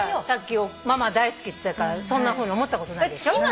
さっきママ大好きって言ってたからそんなふうに思ったことないでしょ。